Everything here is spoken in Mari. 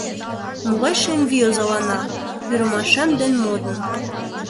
Могай шем вий озалана, Пӱрымашем ден модын?